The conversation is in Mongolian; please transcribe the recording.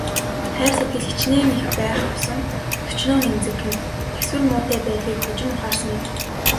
Хайр сэтгэл хэчнээн их байх тусам төчнөөн эмзэгхэн, тэсвэр муутай байдгийг хожим ухаарсан юм.